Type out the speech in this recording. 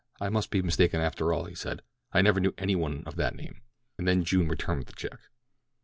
"I must be mistaken after all," he said, "I never knew any one of that name," and then June returned with the check.